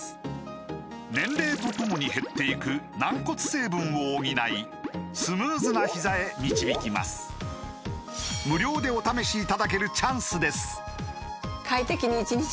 年齢とともに減っていく軟骨成分を補いスムーズなひざへ導きます無料でお試しいただけるチャンスです